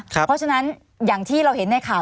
เพราะฉะนั้นอย่างที่เราเห็นในข่าว